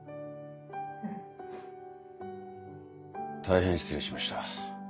大変失礼しました。